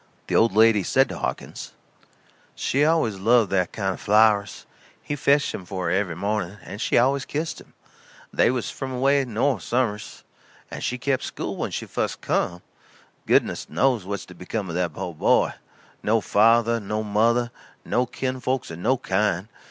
The old lady said to Hawkins: "She always loved that kind o' flowers. He fetched 'em for her every morning, and she always kissed him. They was from away north somers she kep' school when she fust come. Goodness knows what's to become o' that po' boy. No father, no mother, no kin folks of no kind.